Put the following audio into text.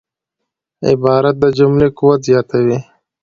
عبارت د جملې قوت زیاتوي.